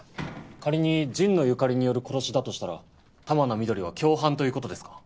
仮に神野由香里による殺しだとしたら玉名翠は共犯ということですか？